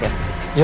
bapak ngebut ya